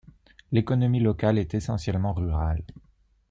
L'économie locale est essentiellement rurale.